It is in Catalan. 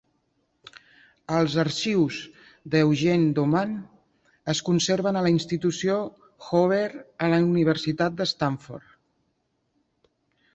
Els "arxius d'Eugene Dooman" es conserven a la institució Hoover a la Universitat de Stanford.